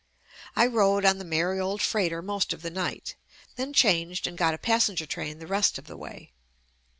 I rode on the merry old freighter most of the night, then changed and got a passenger train the rest of the way.